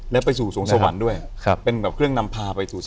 และไปสู่สวงสวรรค์ด้วยเป็นแบบเครื่องนำพาไปสู่สวรรค์